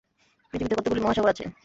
পৃথিবীতে কতগুলি মহাসাগর আছে?